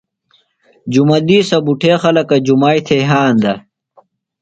جُمہ دِیسہ بُٹھے خلکہ جُمائی تھےۡ یھاندہ ۔